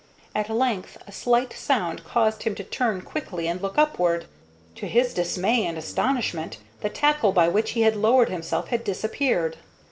At length a slight sound caused him to turn quickly and look upward. To his dismay and astonishment the tackle by which he had lowered himself had disappeared.